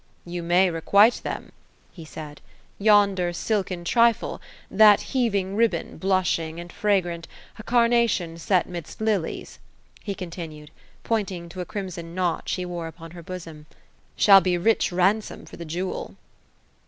" You may requite them ;" he said. '* Yonder silken trifle, — ^thai heaving ribbon, blushing and fragrant, — ^a carnation set 'midst lilies," he continued, pointing to a crimson knot she wortf upon her bosom, "shall be rich ransom for the jewel."